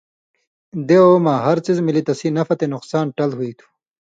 دے او ما ہر څیزہۡ ملی تسیں نفع تے نقصان ٹل ہُوئ تُھو